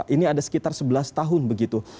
ini ada sekitar sebelas tahun begitu